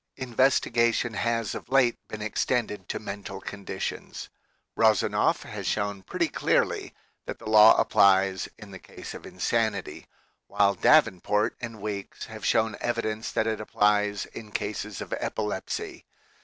Investiga tion has of late been extended to mental conditions. Rosanoff has shown pretty clearly that the law applies in the case of insanity, while Davenport and Weeks have shown evidence that it applies in cases of epilepsy.